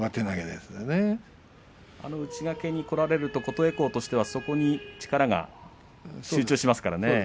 内掛けにこられると琴恵光としてはそこに力が集中しますからね。